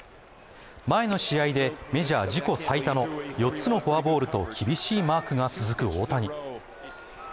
前の試合でメジャー自己最多の４つのフォアボールと厳しいマークが続く大谷。